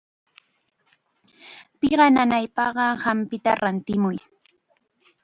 Piqa nanaypaq hampita rantimuy.